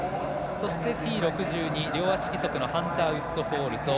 そしてＴ６２両足義足のハンター・ウッドホール。